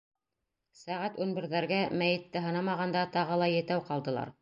Сәғәт ун берҙәргә, мәйетте һанамағанда, тағы ла етәү ҡалдылар.